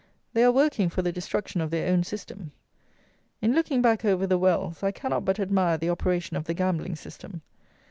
They are working for the destruction of their own system. In looking back over "the Wells" I cannot but admire the operation of the gambling system.